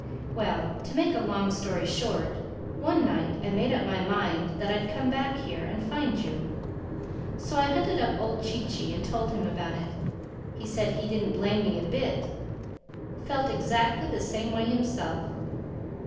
Well, to make a long story short, one night I made up my mind that I'd come back here and find you. So I hunted up old Chee Chee and told him about it. He said he didn't blame me a bit—felt exactly the same way himself.